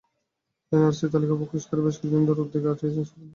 এনআরসির তালিকা প্রকাশ নিয়ে বেশ কিছুদিন ধরেই উদ্বেগে রয়েছেন সেখানকার বাসিন্দারা।